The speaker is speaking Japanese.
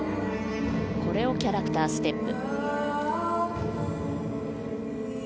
コレオキャラクターステップ。